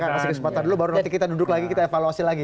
kasih kesempatan dulu baru nanti kita duduk lagi kita evaluasi lagi